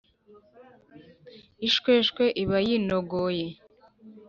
Ishweshwe iba yinogoye.